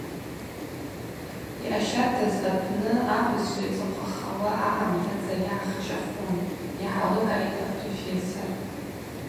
Йъащардаз апны абызшва йцӏыхъвахауа агӏамтадза йгӏахчахун, – йгӏаликӏгӏитӏ апрофессор.